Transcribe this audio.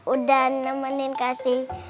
udah nemenin kasih